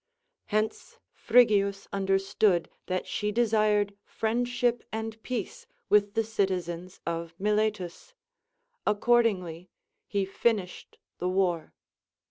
Hence Phrygius understood that she desired friendship and peace with the citizens of Miletus ; accordingly he finished the war.